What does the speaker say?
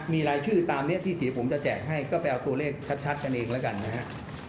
มีรายชื่อตามนี้ที่เดี๋ยวผมจะแจกให้ก็ไปเอาตัวเลขชัดกันเองแล้วกันนะครับ